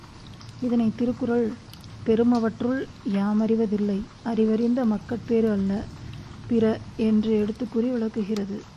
இதனைத் திருக்குறள், பெறுமவற்றுள் யாமறிவ தில்லை அறிவறிந்த மக்கட்பேறு அல்ல பிற என்று எடுத்துக்கூறி விளக்குகிறது.